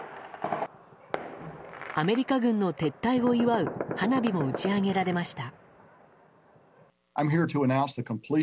アメリカ軍の撤退を祝う花火も打ち上げられました。